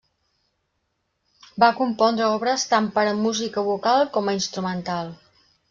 Va compondre obres tant per a música vocal com a instrumental.